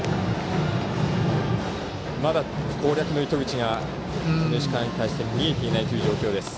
まだ、攻略の糸口が石川に対して見えていないという状況です。